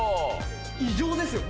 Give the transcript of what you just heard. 異常ですよ！